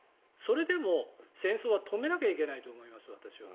それでも戦争は止めなきゃいけないと思います。